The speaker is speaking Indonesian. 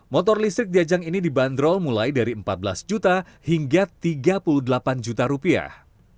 motor listrik di ajang ini dibanderol mulai dari empat belas juta hingga tiga puluh delapan juta rupiah